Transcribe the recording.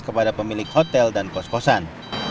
kepada pemilik hotel dan kos kosan